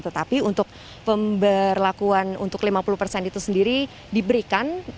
tetapi untuk pemberlakuan untuk lima puluh persen itu sendiri diberikan